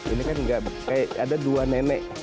ini kan gak kayak ada dua nenek